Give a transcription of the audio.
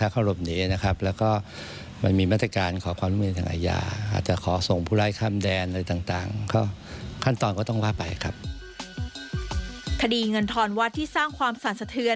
คดีเงินทรวัตรที่สร้างความสรรสธิ